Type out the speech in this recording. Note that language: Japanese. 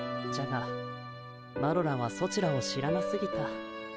じゃがマロらはソチらを知らなすぎた。